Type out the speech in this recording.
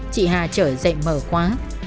chị hà trở dậy mở quá